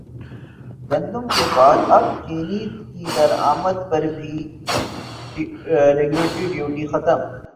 گندم کے بعد اب چینی کی درامد پر بھی ریگولیٹری ڈیوٹی ختم